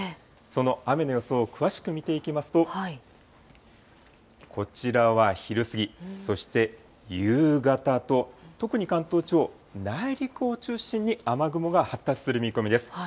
その雨の予想を詳しく見ていきますと、こちらは昼過ぎ、そして夕方と、特に関東地方、内陸を中心に雨雲が発達する見込みです。